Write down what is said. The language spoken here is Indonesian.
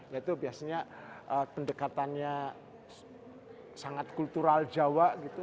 yaitu biasanya pendekatannya sangat kultural jawa gitu